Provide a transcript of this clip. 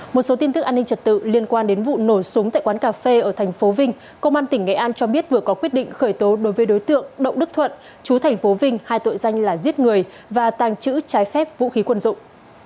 một số tin tức an ninh trật tự liên quan đến vụ nổ súng tại quán cà phê ở thành phố vinh công an tỉnh nghệ an cho biết vừa có quyết định khởi tố đối với đối tượng động đức thuận chú thành phố vinh hai tội danh là giết người và tàng trữ trái phép vũ khí quân dụng